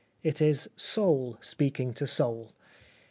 It is soul speaking to soul.